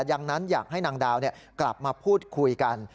ดังนั้นอยากให้นางดาวกลับมาพูดคุยกัน